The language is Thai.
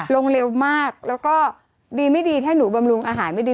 ลงเร็วมากแล้วก็ดีไม่ดีถ้าหนูบำรุงอาหารไม่ดี